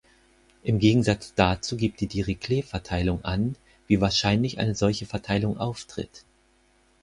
Im Gegensatz dazu gibt die Dirichlet-Verteilung an, wie wahrscheinlich eine solche Verteilung auftritt.